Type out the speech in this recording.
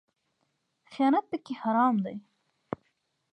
خیانت پکې حرام دی